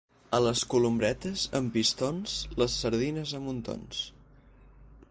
A les Columbretes amb pistons, les sardines a muntons.